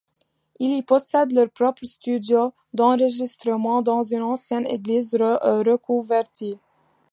Ils y possèdent leur propre studio d'enregistrement, dans une ancienne église reconvertie.